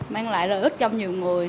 mang lại lợi ích cho nhiều người